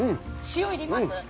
塩いります？